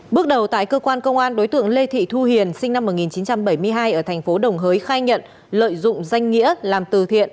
bước đầu tại cơ quan công an đối tượng lê thị thu hiền sinh năm một nghìn chín trăm bảy mươi hai ở thành phố đồng hới khai nhận lợi dụng danh nghĩa làm từ thiện